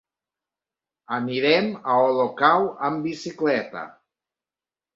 Anirem a Olocau amb bicicleta.